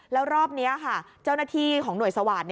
แล้วรอบนี้ค่ะเจ้าหน้าที่ของหน่วยสวาสตร์